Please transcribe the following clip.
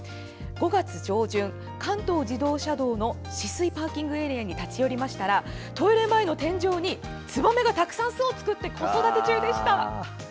５月上旬、関東自動車道の酒々井ＰＡに立ち寄りましたらトイレ前の天井にツバメがたくさん巣を作って子育て中でした。